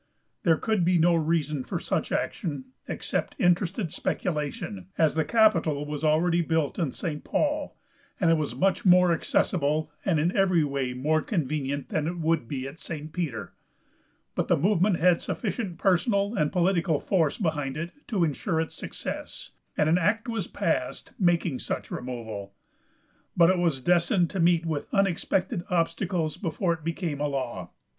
There could be no reason for such action except interested speculation, as the capitol was already built in St. Paul, and it was much more accessible, and in every way more convenient than it would be at St. Peter; but the movement had sufficient personal and political force behind it to insure its success, and an act was passed making such removal. But it was destined to meet with unexpected obstacles before it became a law.